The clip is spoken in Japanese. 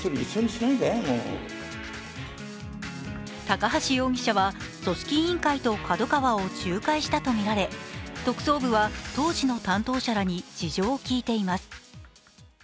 高橋容疑者は組織委員会とＫＡＤＯＫＡＷＡを仲介したとみられ特捜部は当時の担当者らに事情を聴いています。